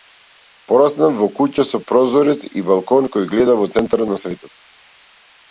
Пораснав во куќа со прозорец и балкон кој гледа во центарот на светот.